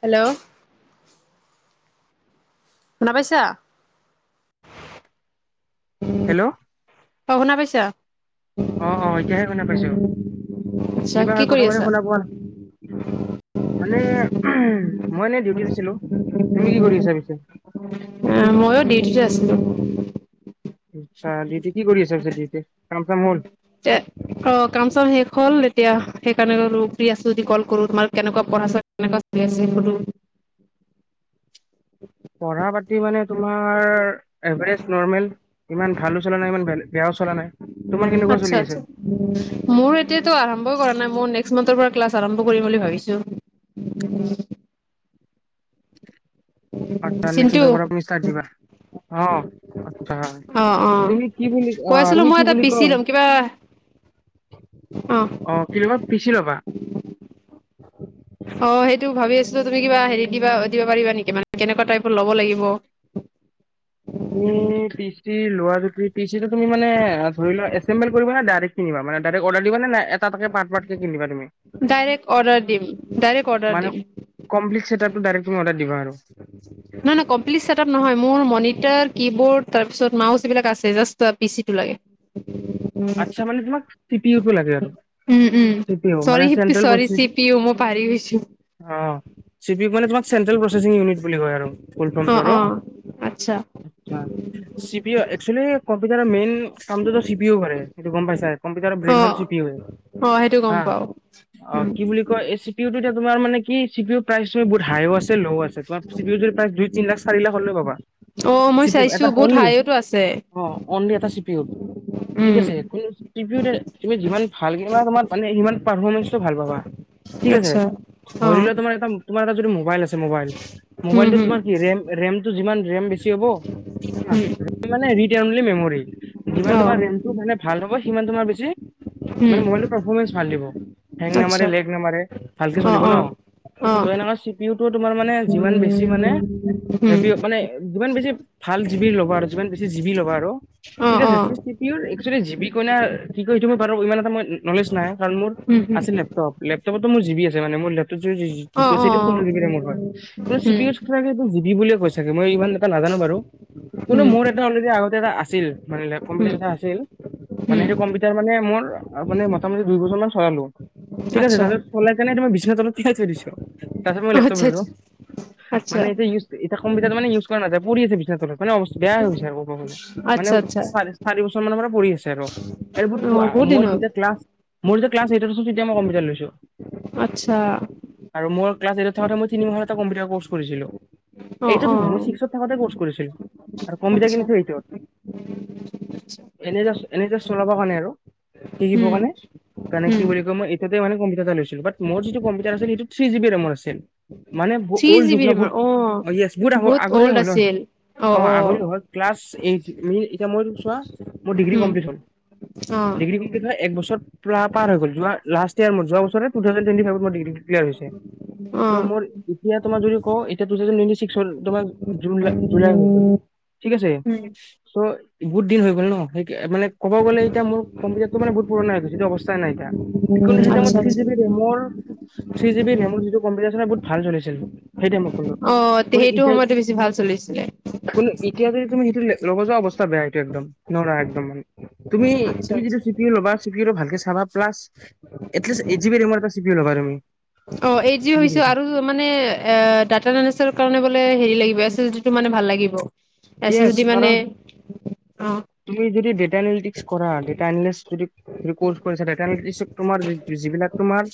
Hello, শুনা পাইছা? Hello অ অঁ শুনা পাইছা? অ এতিয়াহে শুনা পাইছো আচছা কিবা কি হয় কৰি প্ৰথমতে আছা? শুনা পোৱা নাই মানে মই এনেই ডিউটিত আছিলোঁ। মইয়ো ডিউটিতে আছি, [unintelligible] আচছা, ডিউতি ত কি কৰি আছে পিছে কাম চাম হল? এ অঁ কাম চাম শেষ হল এতিয়া, সেইকাৰণে আৰু ফ্ৰী আছো, এতিয়া কল কৰো তোমাৰ কেনেকুৱা পঢ়া কেনেক চলি আছে সোধো। পঢ়া পাতি মানে তোমাৰ এভাৰেজ নৰ্মেল ইমান ভালো চলা নাই ইমান বেয়াও চলা নাই। তোমাৰ কেনেকুৱা আচ্ছা চলি আচ্ছা আছে? মোৰ এতিয়াতো আৰম্ভই কৰা নাই মোৰ নেক্সট মান্থৰ পৰা ক্লাছ আৰম্ভ কৰিম বুলি ভাবিছোঁ। আচ্ছা নেক্ চিন্টু দবাৰুনিিবাৰ [unintelligible] অঁ। অ অ অ কৈ আছিলো তুমি মই কি এটা বুলি পিচি কয় লম কিবা অ। পিছি লবা? অ সেইটো ভাবি আছো, তুমি কিবা হেৰি দিবা দিবা পাৰিবা নেকি? মানে কেনেকুৱা টাইপৰ লব লাগিব। তুমি পিছি, লোৱা যদি, পিচিটো তুমি মানে ধৰি লোৱা এছেম্বেল কৰিবা নে ডাইৰেক্ কিনিবা, ডাইৰেক্ অৰ্ডাৰ দিব নে এটা এটাকে পাৰ্ট পাৰ্ট কিনিবা তুমি? ডাইৰেক্ট অৰ্ডাৰ দিম ডাইৰেক্ট অৰ্ডাৰ মানে কমপ্লিট দিম। ডাইৰেক্ট তুমি অৰ্ডাৰ দিবা আৰু। নহয় নহয় কমপ্লিট ছেটআপ নহয়। মোৰ মনিটা, কিবৰ্ড, তাৰ পিছত মাউচ এইবিলাক আছে। জাষ্ট পি চি টো লাগে। আটচ্ছা মানে তোমাক চি পি ইউ টো লাগে আৰু উম উম। চি পি উ মানে sorry central sorry C P U মই পাহৰি গৈছো প্ৰচেছিং ইউনিট বুলি কয় আৰু। ফোলম্ফৰ্ম অ আৰু অ আচ্ছা। আট্চা, C P U actually computer main, চামটো চিপিও কৰে। কি গম অ পাইছা? অ সেইটো গম হা। পাও কি বুলি কয় এছ পি উ তু তোমাৰ মানে কি চি প্ৰাইচ বহুত হাইও আছে ল'ও আছে চাচোন প্ৰায় দুই তিনি লাখ, চাৰি লাখ হ'লেও হ'ব। অ মই চাইছো বহুত হাইৱেটো আছে। অ [unintelligible] ঠিক উম আছে। কম্পিউটাৰ তুমি যিমান ভাল কিনিবা তোমাৰ মানে সিমান পাৰফৰ্মেন্ঞ্চটো ভাল পাবা। ঠিক আছে। আচ্ছা অ ধৰি লোৱা তোমাৰ এটা তোমাৰ এটা যদি ম মোবাইল আছে মোবাইল উম মবাইলটো হম তোমাৰ কি ৰেম ৰেম যিমান ৰেম বেছি কি হ'ব। ৰেম হম মানে ৰীড অনলি মেমৰি। যিমান অ তুমাৰ যিটো মানে ভাল হ'ব সিটো সিমান তোমাৰ বেছি উম মানে ম'বাইলটোৰ পাৰ্ফৰমেঞ্চ ভাল দিব। হেং নামাৰে, আচ্ছা লেক নামাৰে ভালকে অ চলিব ন? অ অ চো এনেকা চি পি উ টো তুমাৰ মানে যিমান বেছি মানে উম যিমান বেছি ভাল জিবি ল'বা আৰু যিমান বেছি জিবি ল'বা আৰু অ অ। এক্সলি জি বি কইনা কি কয় সিটো মই পাৰো ইমান এটা ম নলেজ নাই। কাৰণ মোৰ উম হম আছিল লেপটপ লেপটপত মোৰ জি বি আছে মানে মোৰ টো অ যিটো আছে অ ষোল্ল জি বি ৰেমৰ হয়। C um P U S কে জি বি বুলিয়ে কৈ চাগে। মই ইমান এটা নাজানো বাৰু। কিন্তু উম মোৰ এটা অলৰেদি আগতে এটা আছিল মানে লেপ উম কম্পিউটাৰ এটা আছিল। মানে উম সেইটো কম্পিউটাৰ মানে মোৰ মানে মোটামুটি দুই বছৰ মান চলালো। ঠিক আছে। আচ্ছা চলাইকিনে তুমি বিছনাৰ তলত ঠিকাই থৈ দিছ। তাৰপাছত মই লেপটপ আচ্ছা ললো। আচ্ছা আচ্ছা মানে এতিয়া ইউজ এটা কম্পিউটাৰ মানে ইউজ কৰা নাযায় পৰি আছে [unintelligible] বেয়া হৈ গৈছে আৰু ক'ব গলে মানে আচ্ছা আচ্ছা চ চাৰি বছৰ ৰ পৰি আছে আৰু অ বহুত ম দিন হ'ল যেতিয়া ক্লাছ মোৰ যেতিয়া ক্লাছ এইটত‌ আছ তেতিয়াই মই কম্পিউটাৰ লৈছো। আচ্ছা। আৰু মোৰ ক্লাছ এইটত থাকোতে মই তিনি মাহৰ এটা কম্পিউটাৰ কৰ্চ কৰিছিলো। অ এইটো অ টো মই ছিক্সত থাকোতে কৰিছ কৰিছিল। আৰু কম্পিউটাৰ আচ্ছা কিনি থৈ [unintelligible] এনে এনে জাষ্ট চলাব কাৰণে আৰু শিকিব উম কাৰণে তেণে উম কি বুলি কয় মই তেতিয়া মানে কম্পিউটাৰ এটা লৈছিলো বাট মোৰ যিটো কম্পিউটাৰ আছিল সেইটো থ্ৰী জি বি ৰেমৰ আছিল। মানে থ্ৰী অল্ড জি যুগ বি ন? ৰেমৰ বহুত অ য়েছ, বহুত আগৰে অল্ড হয় নহ? আছিল অ' আগৰে হয়। ক্লাছ এইট, এতিয়া মই চোৱা মোৰ ডিগ্ৰী উম কমপ্লীট হ'ল। অ ডিগ্ৰী কমপ্লীট হৈ একবছৰ পুৰা পাৰ হৈ গ'ল। [unintelligible] [unintelligible] ম যোৱাবছৰে টু-থাউজেণ্ড টুৱেন্টি ফাইভত মোৰ ডিগ্ৰীটো ক্লিয়াৰ হৈছে। অ ত' মোৰ এতিয়া তোমাৰ যদি কও, এতিয়া টু-থাউজেণ্ড টুৱেন্টি-ছিক্স [unintelligible] তোমাৰ জু-জুলাই হৈ গ'ল ঠিক আছে। উম চ' গুড দিন হৈ গ'ল ন? সেই, মানে [unintelligible] ক'ব গ'লে এতিয়া মোৰ, কম্পিউটাৰটো মানে বহুত পুৰণা হৈ গৈছে। ইটো অৱস্থা নাই এতিয়া। কিন্তু [unintelligible] মই আচ্ছা আচ্ছা থ্ৰী-জি-বি ৰেমৰ থ্ৰী-জি-বি ৰেমৰ যিটো কম্পিউটাৰ চলাও, বুত ভাল চলিছিল। সেইটাই মই কোনটো, অ তে কোন সেইটো এতিয়া, সময়তে বেছি ভাল চলিছিলে কোন ইতি [unintelligible] তুমি সেইটো লগ যোৱা অৱস্থা বেয়া একদম। নৰা একদম তুমি, আচ্ছা তুমি যিটো আচ্ছা চিপিইউ ল'বা, চিপিইউ ভালকে চেক চাবা, প্লাচ, এটলিষ্ট এইটজিবি ৰেমৰ এটা চি-পি-ইউ ল'বা তুমি। অ' এইট জি বুজি হৈছো, পাইছা? আৰু মানে ডাটা দনেছৰ কাৰণে বোলে লে হেৰি লাগিব, এছ-এছ-দিটো মানে ভাল লাগিব। S S yes. ডি মানে কাৰণ, অ তুমি যদি ডেটা এনালিটিক্স কৰা, ডেটা এনালিটিক্স যদি কোৰ্চ কৰিছা। ডেটা এনালিটিক্সত তোমাৰ যিবিলাক তোমাৰ,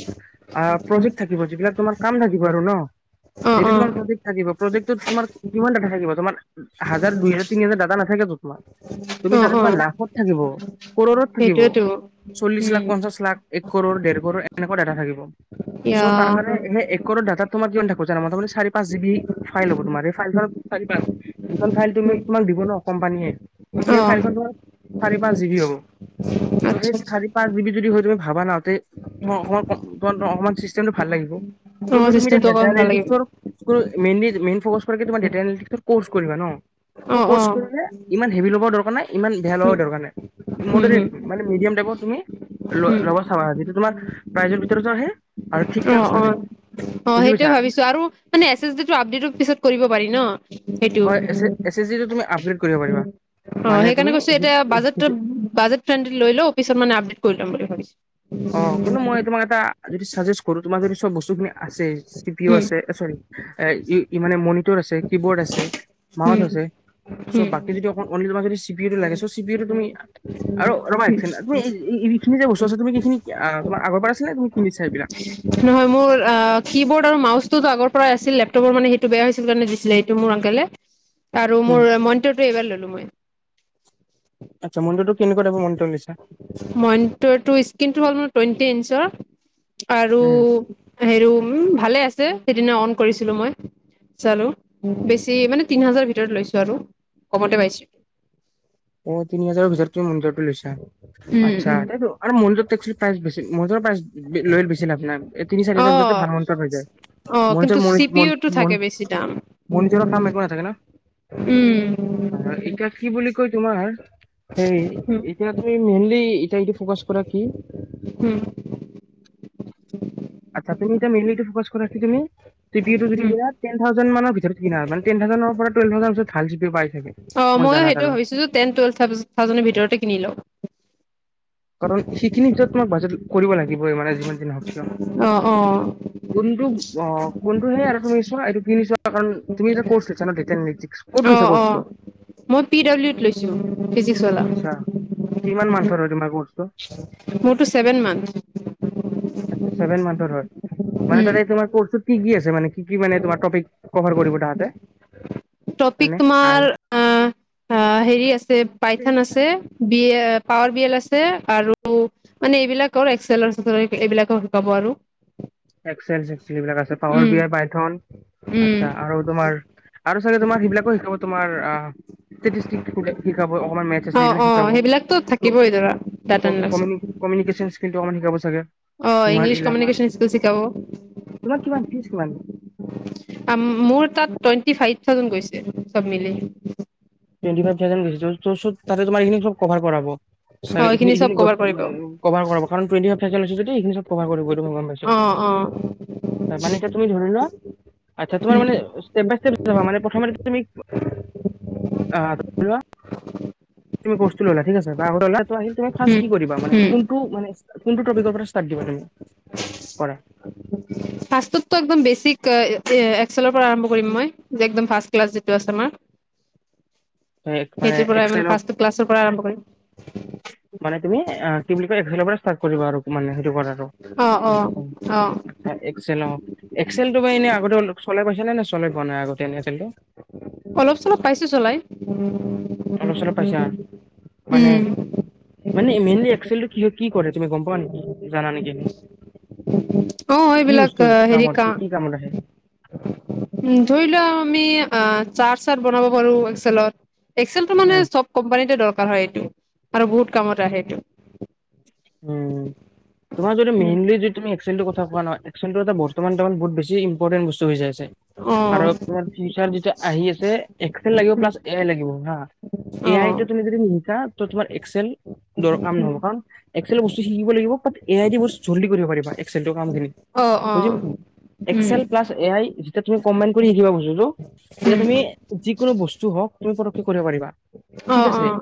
আ প্ৰজেক্ট থাকিব, যিবিলাক তোমাৰ কাম থাকিব আৰু ন? অ যিটো তোমাৰ প্ৰজেক্ট থাকিব, প্ৰজেক্টটোত তোমাৰ কিমান ডাটা থাকিব? তোমাৰ হাজাৰ, দুইহাজাৰ, তিনিহাজাৰ ডাটা নাথাকেতো। [unintelligible] তুমি অ অ তাতে, অ তোমাৰ লাখত থাকিব কোৰৰত থাকিব। সেইটোয়েতো চল্লিশ উম লাখ, পঞ্চাশ লাখ, এককোৰৰ, দেৰকোৰৰ এনেকুৱা ডাটা থাকিব। [unintelligible] ইয়া চ' তাৰ কাৰণে সেই এককোৰৰ ডাটা তোমাক কিয় থাকো জানা? [unintelligible] চাৰি-পাঁচ জিবি ফাইল হ'ব তোমাৰ। এই ফাইল চাৰি-পাঁচ [unintelligible] [unintelligible] ফাইল তুমি, উম, তোমাক দিব ন? কোম্পানীয়ে অ'। চাৰি-পাঁচ জিবি হ'ব। চ' আচ্ছা সেই আচ্ছা চাৰি-পাঁচ জিবি যদি হয়, তুমি ভাবা না, তে তোমাৰ অকমান-অকমান চিষ্টেমটো ভাল লাগিব। অ কোনটো তুমি এতিয়া চিষ্টেমটো ডেটা অকমান ভাল লাগিব [unintelligible] মেইনলী, মেইন ফ'কাছ কৰে কি তোমাৰ ডেটা এন্ট্ৰী কোৰ্চ কৰিবা ন? ত' অ অ ক'ৰ্চ কৰিলে ইমান হেভি ল'বও দৰকাৰ নাই। ইমান বেয়া লগাও উম দৰকাৰ নাই। মো উম হম মান মিডিয়াম [unintelligible] তুমি ল' উম ল আৰু ঠিক অ ঠাক অ চলে। অ বুজি সেইটোৱে পাইছা ভাবিছোঁ। আৰু মানে এছ এছ ডি টো আপডেটৰ পিছত কৰি কৰিব পাৰি ন? সেইটো। হয় এছ এছ জি টো তুমি আপগ্ৰেড কৰিব পাৰিবা অ মানে সেইকাৰণে কৈছোঁ এতিয়া তুমি বাজেটটো বাজেট ফ্ৰেণ্ডলি লৈ লও পিছত মানে কৰি লম বুলি ভাবি অ কিন্তু মই তোমাক এটা, চাজেষ্ট কৰো, তোমাৰ যদি চব বস্তুিনি আছে চিপিও উম আছে অ চৰি। এ ই ই মানে মনিটৰ আছে। কি বৰ্ড আছে, মাউছ উম আছে চ' উম বাকী যদি অকল অনলি তোমাক চি পি ইউ টো লা, চ, চি পি ইউ টো তুমি। আৰু ৰবা এক ছেকেণ্ড, তুমি [unintelligible] আগৰ পৰা আছিলে নে তুমি কিনিছা এইবিলাক নহয় মোৰ আহ কি বৰ্ড আৰু মাউচ বস্তু আগ পৰাই আছিল, লেপতপৰ মানে সেইটো বেয়া হৈছিল কাৰণে দিছিলে, সেইটো মোৰ আনকলে। আৰু উম মোৰ মনিতৰটো এইবাৰ ললো। মই আচ্ছা মনিটৰ টো কেনেকুৱা টাইপৰ মনিটৰটো স্কিন হল মোৰ টুৱেন্টি ইন্সৰ আৰু উম হেৰু ভালে আছ সেইদিনা অন কৰিছিলো মই। চালো বেছি মানে তিন হাজাৰ ভিতৰত লৈছো আৰু। কমতে পাইছো। অ তিনি হাজাৰৰ ভিতৰত তুমি মনিটৰটো লৈছা? উম আচ্ছা, উম। আৰু মনিটৰ [unintelligible] মনিটৰ পাই লৈ বেছি লাভ নাই। এই তিনি চাৰি অ হাজাৰ ভিতৰতে ভাল মনিটৰ হৈ যায়। অ কিন্তু চি পি ইউটো থাকে বেছি [unintelligible] দাম মনিটৰৰ কাম একো নাথাকে ন? উম এতিয়া কি বুলি কৈ তোমাৰ সেই উম এতিয়া তুমি মেইনলি এই টাইম টো ফকাছ কৰা কি? হম। আচ্ছা তুমি এতিয়া মেইলিটো ফকাচ কৰা কি তুমি টো যদি উম। কিনা টেন থাউজেনৰ মানৰ ভিতৰত কিনা মানে টেন থাউজেনৰ পৰত [unintelligible] ভাল জি বি পাই থাকে অ মই ময়ো সেইটো জানাত আৰু। ভাবিছো যে টেন টুৱেলভ থাউজেণ্ডৰ ভিতৰতে কিনি লওক কাৰণ সেইখিনি ভিতৰত তোমাক বাজেট কৰিব লাগিবই মানে যিমান জি নহওঁক কিয় অঁ অঁ। অঁ কোনটো নে আৰু তুমি চোৱা এইটো কিনিছোৱা কাৰণ তুমি এটা কৰ্চ লৈছা তেন নিক অ অ মই পি ডাব্লিউত লৈছো ফিজি আচ্ছা কিমান মান্থৰ হয় তোমাৰ কৰ্চটো মোৰতো ছেভেন মান্থ আচ্ছা ছেভেন মান্থৰ হয়। মানে উম তাৰে তোমাৰ ক কি কি আছে মানে কি কি মানে তোমাৰ টপিক কভাৰ কৰিব তাহাতে টপিক তোমাৰ আ হেৰি আছে পাইথান আছে বিএ পাৱাৰ বি এল আছে আৰু মানে এইবিলাক আৰু এক্সেল এইবিলাকো শিকাব আৰু এক্সেল সেক্সেল এইবিলাক আছে power um B I python um আচ্ছা আৰু তোমাৰ আৰু চাগে তোমাক সেইবিলাকো শিকাব তোমাৰ আ চেস্কিক শিকাব অকমান মেথচ আছে অ সেইবিলাকো অ শিকাব সেইবিলাকতো থাকিবই ধৰা ডাটা এনালাইচিছ কমিউনিকেশ্বন স্কিল্লটো অকমাণ শিকাব চাগে অ ইংলিছ কমিউনিকেশ্যন স্কিল তোমাৰ কিমান ফিজ কিমান মোৰ তাত টোৱেন্তি ফাইভ থাউজেন গৈছে চব মিলি টোৱেণ্টি ফাইভ থাউজেন গৈছে ততে তোমাৰ চব কভাৰ কৰা হব অ চাগে ইখিন এইখিনি চব ইখিনি কৰিব কভাৰ কৰাব কাৰণ টোৱেন্টি ফাইভ থাউজেন লৈছে যদি ইখিনি চব কৰিব মই গম পাইছোঁ অ অ মানে তুমি এতিয়া ধৰি লোৱা তোমাৰ মানে ষ্টেপ বাই ষ্টেপ শিকাব প্ৰথমতে তুমি আ ধৰি লোৱা তুমি কৰ্ছটো ললা থিক আছে বা ত ফাষ্ট উম কি কৰিব মানে উম কোনটো মানে কোনটো টপিকৰ পৰা ষ্টাৰ্ট দিবা তুমি পঢ়া ফাষ্টটটো একদম বেছিক এক্সেৰপৰা আৰম্ভ কৰিম মই একদম ফাৰ্ষ্ট ক্লাছ যিটো আছে আমাৰ মানে সেইটোৰ পৰাই মানে এক্সেলক ফাষ্টটো ক্লাছৰ পৰা আৰম্ভ কৰিম মানে তুমি কি বুলি কয় এক এপ্ৰিলত ষ্টাৰ আৰু মানে অ অ অ এক্সেল তটো ব এনেই আগতে চলাইছে নে নাই চলাই পোৱা আগতে এনে এক্সেলটো অলপ চলপ পাইছো চলাই। উ অলপ চলপ পাইছা মানে উম মানে মেইনল একেল কি কি কৰে তুমি গম পোৱা নেকি জানা নেকি অ কি এইবিলাক বস্তু হেৰি কামত কি কামত আহে উ ধৰি লোৱা আমি চাট চাট বনাব পাৰো হোষ্টেল এক্সেল তো মানে উম কোম্পানীতে দৰকাৰ কাৰ হয় এইটো আৰু বহুত কামত আহ এইটো উম তোমাৰ যদি মেইনলি যদি তুমি এক্সনৰ কথা কোৱা নহয় একচলটো এটা বৰ্তমান বহুত বেছি ইম্পতেন বস্তু হৈ যা আছে তোমাৰ ফিচাৰ যেতিয়া আহি আছে এক্সেল লাগিব অ প্লছ এ আই লাগিব হা এ আই অ', তুমি যদি নিশিকা ত তোমাৰ এক্সেল দৰকাৰ নহব কাৰণ এক্সেলৰ বস্তু শিকিব লাগিব বা এ আই ডি বস জল্দি কৰিব পাৰিব এক্সেলৰ কাম খিনি অ', বুজি অ', পাইছো উম, প্লাছ এ পাৰি এতিয়া তুমি কম্বাইণ্ট কৰি শিকিবা বস্তুতটো তেতিয়া উম, তুমি যিকোনো বস্তু হওঁক তুমি পটকে কৰিব পাৰিবা ঠিক অ', আছে অ',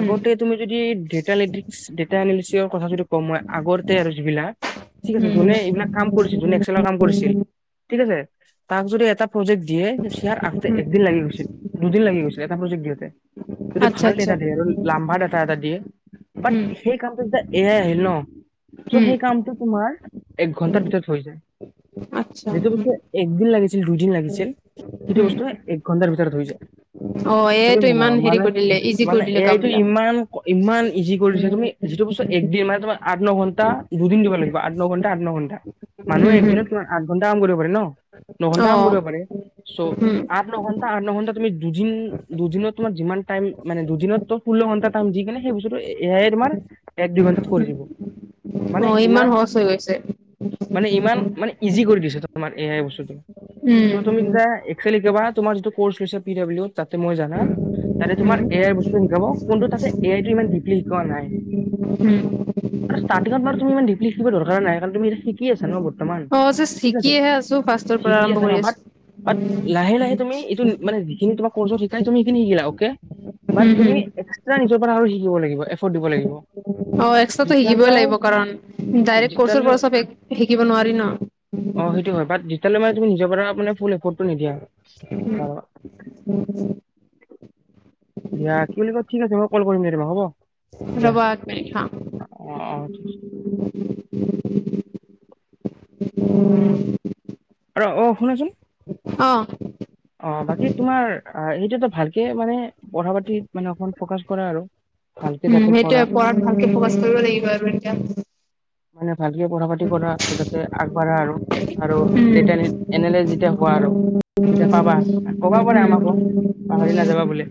উম, তুমি যদি ডেটা লিটিক ডেটা আলিচন কথা যিটো কম মই আগতে আৰু যিবিলাক ঠিক আছে উম, যোনে এইবিলাক কাম কৰিছিল যোনে এক্সেলৰ কাম কৰিছিল ঠিক আছে তাক যদি এটা প্ৰজেক্ট দিয়ে শ্বেয়াৰ আগতে উম, একদিন লাগি গৈছিল দুদিন লাগি গৈছিল এটা প্ৰজেক্ট দিয়তে যদি আচ্ছা, ভাল আচ্ছা, ডেটা দিয়ে আৰু লাম্বা ডেটা এটা দিয়ে বাট উম, সেই কামটো যে এতিয়াহে আহিল ন চৌ' উম, সেই কামটো তোমাৰ এক ঘণ্টাৰ ভিতৰত হৈ যায় আচ্ছা, যিতো উম, একদিন বিষয় লাগিছে ছিল দুদিন লাগিছিল কিতো উম, বস্তু এ ঘন্টাৰ ভিতৰত হৈ যায় অ', তুমি এইটো ইমান হেৰি মানে কৰি দিলে ইজি কৰি মানে দিলে এ কাম আইতো বিলাক। ইমান ইমান ইজি কৰি দিছে তুমি যিটো বস্তু একদিন মান তোমাৰ আঠ ন ঘণ্টা দুদিন দিব লাগিব আঠ ন ঘণ্টা আঠ ন ঘণ্টা উম, মানুহে উম, একদিননৰ কিমান আঠ ঘণ্টা কাম কৰিব কৰে ন নঘন্টা কাম অ', পাৰে চৌ উম, আঠ ন ঘণ্টা আঠ ন ঘণ্টা তুমি দুদিন দুদিনত তোমাৰ যিমান টাইম মানে দুদিনত ত ষোল্ল ঘন্টা টাইম দি কিনে সেইস্তুটো এ আই তোমাৰ এক দুই ঘণ্টাত কৰি দিব মানে অ', ইমান সহজ হৈ গৈছে। মানে ইমান মানে ইজি কৰি পিছেতে তোমাৰ এ আই বস্তুটো উম, চ' তুমি যেতিয়া একচেলি কি বাত তোমাৰ যিটো ক্ৰচ লৈছা পি ডব্লিউৰ তাতে মই জানা তাতে তোমাৰ উম, এ আইৰ বস্তু শিকাব কোনটোত আছে এ আই টো সিমান ডি পি শিকোৱা নাই। উম, আৰু ষ্ট্ৰাটিঙত বাৰু তুমি ইমান ডিপলি শিকিব দৰকাৰ নাই কাৰণ তুমি এতিয়া শিকি আছা ন বত- অ জাছ শিকিহে আছো ফাষ্টৰ পৰা শিকি আৰম্ভ আছা ন কৰি আছো। বাট সিনি তোমাক ক্ৰচত শিকাই তুমি সেইখিনি শিকিলা অকে। বাত উম, তুমি উম, এক্সট্ৰা [unintelligible] আৰু শিকিব লাগিব এফৰ্ড দিব লাগিব। অ এক্সট্ৰটো শিকিবই যেতিয়ালৈ লাগিব কাৰণ ডাইৰেক্ট কৰ্চৰ যেতিয়ালৈ পৰা চব শিকিব নোৱাৰি ন। বোলে ৰিপৰ্ট টো নিদিয়া। বাৰু [unintelligible] দিয়া কি বুলি কয় ঠিক আছে মই কল কৰিম দে তমাক হ'ব দিয়া ৰবা এক মিনিট হা। [inaudible] অ অ ঠিক আছে। অ [inaudible] ৰ অ শুনাচোন। অঁ অ বাকী তোমাৰ এইটো টো ভালকে মানে পঢ়া পাতিত মানে অকমান ফকাচ কৰা আৰু। ভালকে উম যাতে সেইটোয়ে কৰা পঢ়াত ভালকে প্ৰকাশ কৰিব লাগিব আৰু এতিয়া। মানে ভালকে পঢ়া পাতি কৰা আৰু যাতে আগবাঢ়া আৰু। আৰু যেতিয়া নিকি এনেলে যেতিয়া হোৱা আৰু তেতিয়া পাবা কবা পাৰে আমাকো পাহৰি নাযাবা বুলি।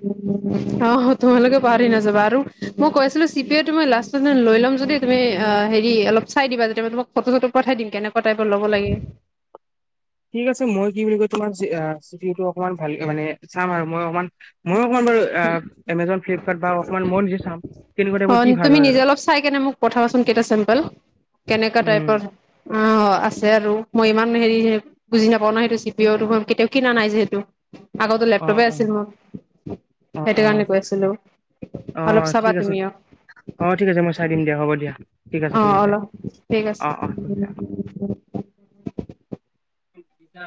অহ তোমালোকে পাহৰি নাযাবা আৰু মই কৈছিলো চিতে তোমাৰ লাষ্ট দিনা লৈ ল'ম যদি তুমি হেৰি অলপ চাই দিবা যাতে ফটো চটো পঠাই দিম কেনেকুৱ টাইপৰ ল'ব লাগে। ঠিক আছে মই কি বুলি কয় তোমাৰ আ চি পি অ তো আক অকমান ভাল মানে চাম আৰু মই অকমান ময়ো অকমান বাৰু এমেজন ফ্লিপকাৰ্ট বা অকমান মই নিজে চাম কেনেকুৱা অ টাইপৰ কি ভাল তুমি হয় নিজে আৰু অলপ চাই কেনে মোক পঠাবাচোন কেইটা চেম্পেল কেনেকা উম টাইপৰ অ আছে আৰু। মই ইমান হেৰি বুজি নাপাও নহয় সেইটো চি পি অ কেতিয়াও কিনা নাই যিহেতু। আগতো অ লেপটপে অ আছিল মোৰ। অ সেইটো কাৰণে কৈছিলো অ অ অলপ চাবা ঠিক আছে তুমি অ ঠিক আছে মই চাই আৰু দিম দিয়া হ'ব দিয়া ঠিক আছে অ ঠিক আছে অলপ ঠিক অ আছে। অ ঠিক আছে ছা